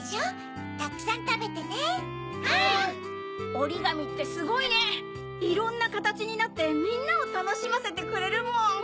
おりがみってすごいねいろんなかたちになってみんなをたのしませてくれるもん！